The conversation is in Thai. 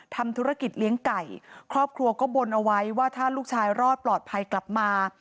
ทำธุรกิจเลี้ยงไก่ครอบครัวก็บนเอาไว้ว่าถ้าลูกชายรอดปลอดภัยกลับมา